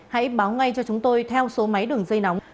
hãy báo ngay cho chúng tôi theo số máy đường dây nóng